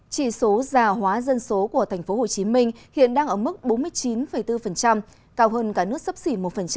chỉ số già hóa dân số của tp hcm hiện đang ở mức bốn mươi chín bốn cao hơn cả nước sấp xỉ một